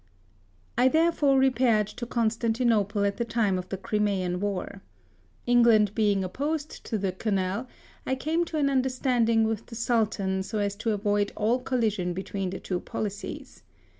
I therefore repaired to Constantinople at the time of the Crimean war. England being opposed to the Canal, I came to an under standing with the Sultan so as to avoid all collision between the two policies.